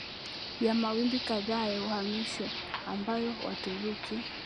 ya mawimbi kadhaa ya uhamisho ambayo Waturuki